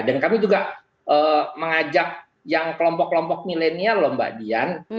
dan kami juga mengajak yang kelompok kelompok milenial loh mbak dian